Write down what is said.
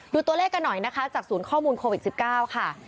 ดูตัวเลขกันหน่อยนะคะจากศูนย์ข้อมูลโควิด๑๙ค่ะ